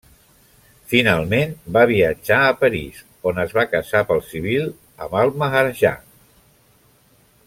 Finalment, va viatjar a París on es va casar pel civil amb el maharajà.